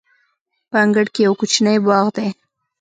په انګړ کې یو کوچنی باغ دی.